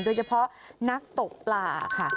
โดยเฉพาะนักตกปลาค่ะ